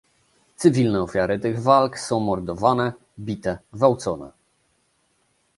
Cywilne ofiary tych walk są mordowane, bite, gwałcone